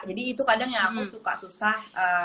jadi itu kadang yang aku suka susah